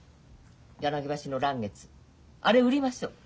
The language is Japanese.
柳橋の嵐月あれ売りましょう。